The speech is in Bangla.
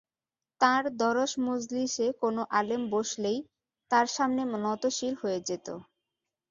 তাঁর দরস-মজলিসে কোন আলেম বসলেই তাঁর সামনে নত-শির হয়ে যেত।